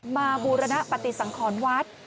มาบูรณปฏิสังคอนวัด